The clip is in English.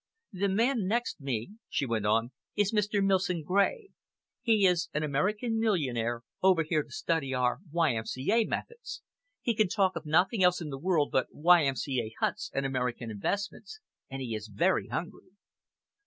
"The man next me," she went on, "is Mr. Millson Gray. He is an American millionaire, over here to study our Y.M.C.A. methods. He can talk of nothing else in the world but Y.M.C.A. huts and American investments, and he is very hungry."